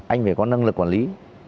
anh phải có năng lực quản lý